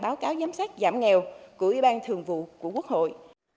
báo cáo giám sát giảm nghèo của ủy ban thường vụ của quốc hội